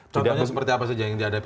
contohnya seperti apa saja yang dihadapi